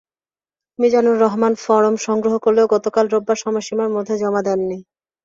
Mizanur Rahman form সংগ্রহ করলেও গতকাল রোববার সময়সীমার মধ্যে জমা দেননি।